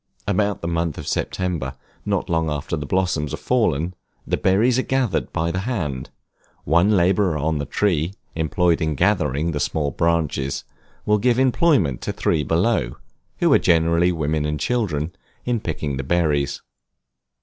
About the month of September, not long after the blossoms are fallen, the berries are gathered by the hand; one laborer on the tree, employed in gathering the small branches, will give employment to three below (who are generally women and children) in picking the berries.